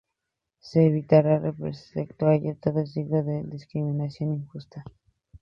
Se evitará, respecto a ellos, todo signo de discriminación injusta.